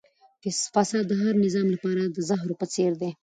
فساد د هر نظام لپاره د زهرو په څېر دی.